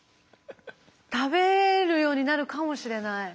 食べるようになるかもしれない。